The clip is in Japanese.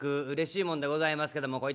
うれしいもんでございますけども。